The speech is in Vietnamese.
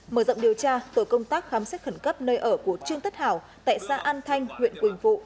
mở rộng điều tra tội công tác khám xét khẩn cấp nơi ở của trương tất hảo tại xã an thanh huyện quỳnh phụ